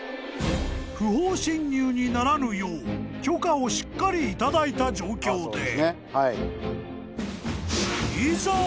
［不法侵入にならぬよう許可をしっかり頂いた状況で］